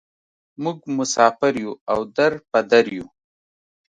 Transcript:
موږ مسافر یوو او در په در یوو.